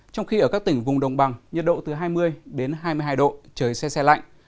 trong khi ở các tỉnh vùng đồng bằng nhiệt độ từ hai mươi đến hai mươi hai độ trời sẽ xe lạnh